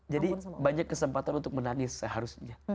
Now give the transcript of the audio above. jadi banyak kesempatan untuk menangis seharusnya